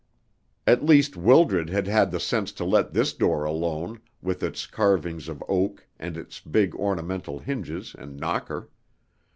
At least Wildred had had the sense to let this door alone, with its carvings of oak, and its big ornamental hinges and knocker.